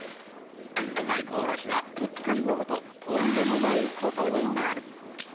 大根おろしはうっかり飲むと、とんでもないことになる。